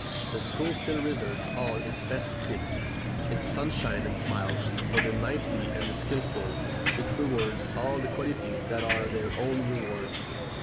The school still reserves all its best gifts, its sunshine and smiles, for the knightly and the skilful; it rewards all the qualities that are their own reward.